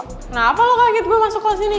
kenapa lu kaget gua masuk ke sini